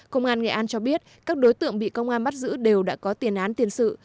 công an nghệ an cho biết các đối tượng bị công an bắt giữ đều đã có tiền án tiền sự